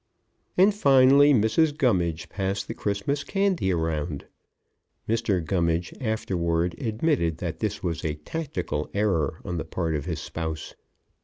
And finally Mrs. Gummidge passed the Christmas candy around. Mr. Gummidge afterward admitted that this was a tactical error on the part of his spouse.